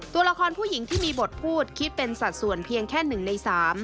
ตัวละครผู้หญิงที่มีบทพูดคิดเป็นสัดส่วนเพียงแค่๑ใน๓